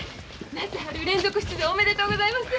夏春連続出場おめでとうございます。